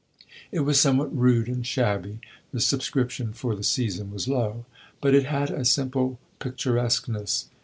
It was somewhat rude and shabby the subscription for the season was low but it had a simple picturesqueness.